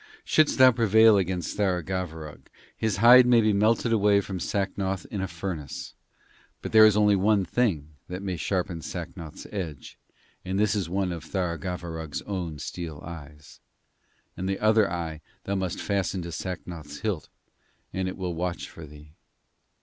Shouldst thou prevail against Tharagavverug, his hide may be melted away from Sacnoth in a furnace; but there is only one thing that may sharpen Sacnoth's edge, and this is one of Tharagavverug's own steel eyes; and the other eye thou must fasten to Sacnoth's hilt, and it will watch for thee.